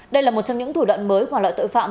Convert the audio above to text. đây là một trong những thủ đoạn mới của loại tội phạm